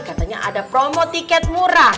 katanya ada promo tiket murah